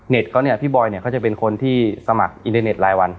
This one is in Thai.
เขาเนี่ยพี่บอยเนี่ยเขาจะเป็นคนที่สมัครอินเทอร์เน็ตรายวัน